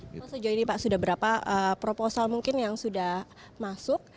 kalau sejauh ini pak sudah berapa proposal mungkin yang sudah masuk